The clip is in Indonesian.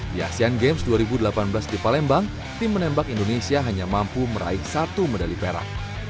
di asean games dua ribu delapan belas di palembang tim menembak indonesia hanya mampu meraih satu medali perak